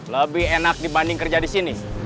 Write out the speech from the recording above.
lebih enak dibanding kerja disini